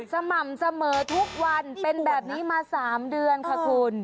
สม่ำเสมอทุกวันเป็นแบบนี้มา๓เดือนค่ะคุณ